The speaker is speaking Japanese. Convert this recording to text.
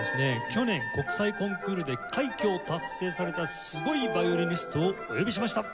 去年国際コンクールで快挙を達成されたすごいヴァイオリニストをお呼びしました。